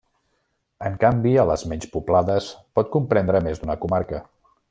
En canvi a les menys poblades pot comprendre més d'una comarca.